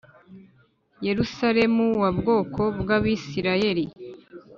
Yerusalemu wa bwoko bw abisirayeli